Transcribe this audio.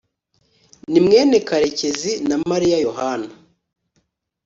Ni mwene Karekezi na Maria Yohana